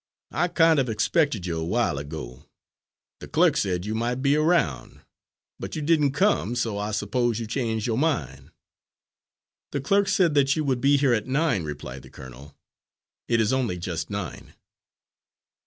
"I kind of expected you a while ago; the clerk said you might be around. But you didn' come, so I supposed you'd changed yo' mind." "The clerk said that you would be here at nine," replied the colonel; "it is only just nine."